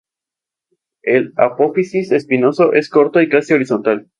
El apófisis espinoso es corto y casi horizontal.